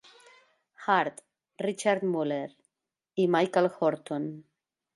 Hart, Richard muller, i Michael Horton.